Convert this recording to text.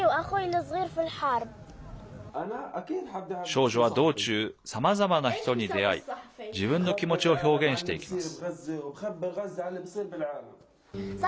少女は道中さまざまな人に出会い自分の気持ちを表現していきます。